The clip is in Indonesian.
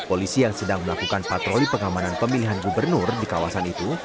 polisi yang sedang melakukan patroli pengamanan pemilihan gubernur di kawasan itu